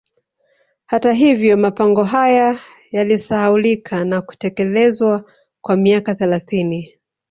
Hata hivyo mapango haya yalisahaulika na kutelekezwa kwa miaka thelathini